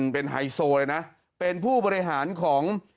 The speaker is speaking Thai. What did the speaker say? เป็นไฮโซเลยนะเป็นผู้บริหารของ